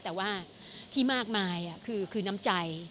แต่ว่าที่มากมายคือน้ำใจ